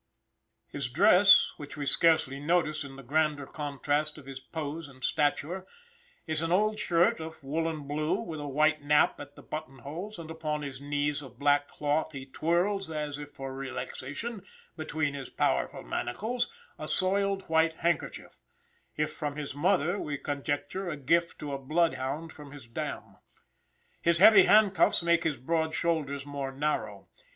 His dress, which we scarcely notice in the grander contrast of his pose and stature, is an old shirt of woolen blue, with a white nap at the button holes, and upon his knees of black cloth he twirls, as if for relaxation, between his powerful manacles, a soiled white handkerchief if from his mother, we conjecture, a gift to a bloodhound from his dam. His heavy handcuffs make his broad shoulders more narrow.